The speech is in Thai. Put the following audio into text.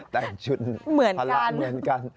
แต่งชุดภาระเหมือนกัน